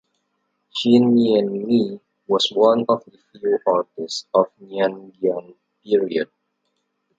Shin Nyein Me was one of the few artists of Nyaungyan period.